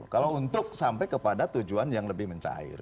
kalau untuk sampai kepada tujuan yang lebih mencair